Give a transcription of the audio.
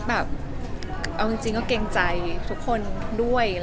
แบบเอาจริงก็เกรงใจทุกคนด้วย